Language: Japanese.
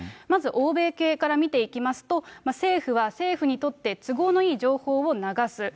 まず欧米系から見ていきますと、政府は政府にとって都合のいい情報を流す。